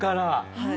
はい。